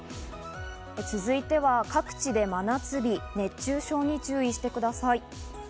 続いては各地で真夏日、熱中症に注意してください。